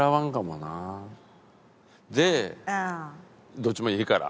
どっちもいいから。